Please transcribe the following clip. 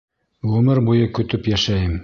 Ғүмер буйы көтөп йәшәйем.